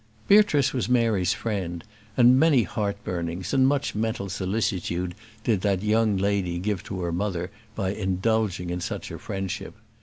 Beatrice was Mary's friend, and many heart burnings and much mental solicitude did that young lady give to her mother by indulging in such a friendship.